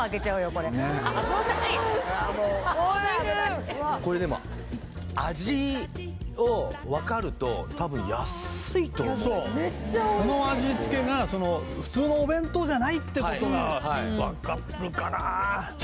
これ危ないおいしいこれでも味を分かると多分安いめっちゃおいしいそうこの味付けが普通のお弁当じゃないってことが分かるかなあ